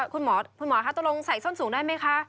คุณหมอค่ะตรงใส่ส้นสูงได้ไหมคะ